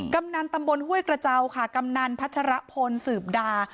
กำนันตำบลห้วยกระเจ้าค่ะกำนันพัชรพลสืบดา